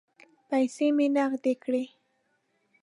پیسې مې نغدې کړې.